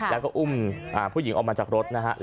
แล้วก็อุ้มผู้หญิงออกมาจากรถนะครับ